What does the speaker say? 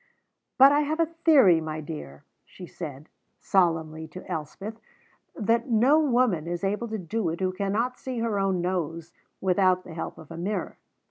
"But I have a theory, my dear," she said solemnly to Elspeth, "that no woman is able to do it who cannot see her own nose without the help of a mirror."